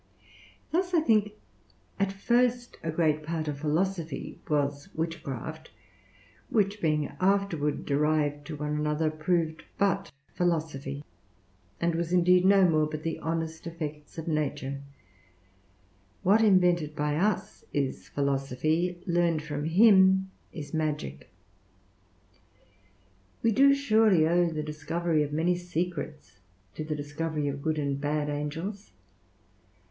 Thus, I think at first a great part of philosophy was witchcraft, which being afterward derived to one another, proved but philosophy, and was indeed no more but the honest effects of nature: what invented by us is philosophy, learned from him is magic. We do surely owe the discovery of many secrets to the discovery of good and bad angels.